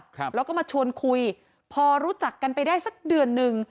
ครับแล้วก็มาชวนคุยพอรู้จักกันไปได้สักเดือนหนึ่ง